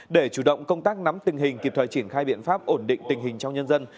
để chủ động công tác nắm tình hình kịp thời triển khai biện pháp ổn định tình hình trong nhân dân